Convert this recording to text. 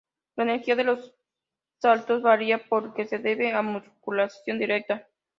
La energía de los saltos varía porque se debe a musculación directa.